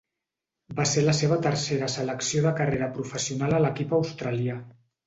Va ser la seva tercera selecció de carrera professional a l'equip australià.